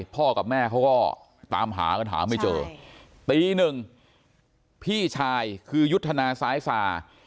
พ่อกับแม่เขาก็ตามหาก็ถามไม่เจอตี๑พี่ชายคือยุทธนาซ้ายศา